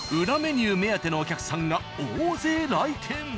裏メニュー目当てのお客さんが大勢来店。